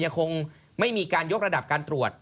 คงไม่มีการยกระดับการตรวจ